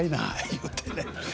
言うてね。